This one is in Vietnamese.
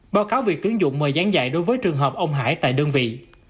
báo cáo việc tướng dụng mời gián dạy đối với trường hợp ông hải tại đơn vị